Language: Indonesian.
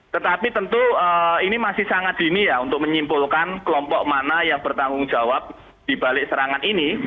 tetapi tentu ini masih sangat dini ya untuk menyimpulkan kelompok mana yang bertanggung jawab di balik serangan ini